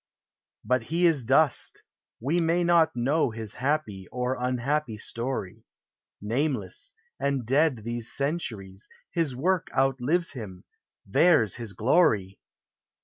But he is dust: we may nol know His happy or unhappy Btory ; Nameless, and dead these centuries, His work outlives hini there \s his glory